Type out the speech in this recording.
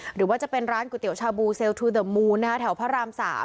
หรือว่าจะเป็นร้านก๋วยเตี๋ยชาบูเซลทูเดอร์มูลแถวพระราม๓